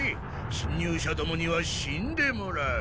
侵入者どもには死んでもらう。